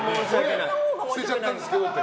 捨てちゃったんですけどって。